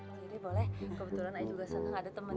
boleh boleh kebetulan ae juga seneng ada temen